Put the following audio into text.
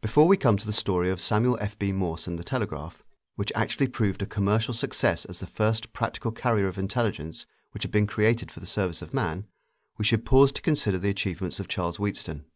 Before we come to the story of Samuel F.B. Morse and the telegraph which actually proved a commercial success as the first practical carrier of intelligence which had been created for the service of man, we should pause to consider the achievements of Charles Wheatstone.